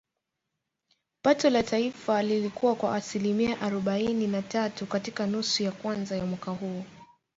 Pato la taifa lilikua kwa asilimia arobaini na tatu katika nusu ya kwanza ya mwaka huu